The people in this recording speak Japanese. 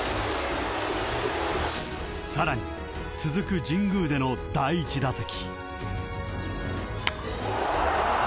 ［さらに続く神宮での第１打席］